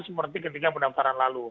seperti ketika pendaftaran lalu